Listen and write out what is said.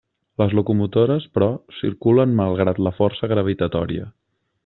Les locomotores, però, circulen malgrat la força gravitatòria.